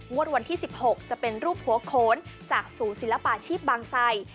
วันที่๑๖จะเป็นรูปหัวโขนจากศูนย์ศิลปาชีพบางไซ